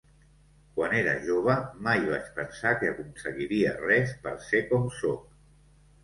Quan era jove mai vaig pensar que aconseguiria res per ser com sóc.